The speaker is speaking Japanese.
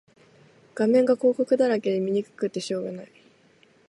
画面が広告だらけで見にくくてしょうがない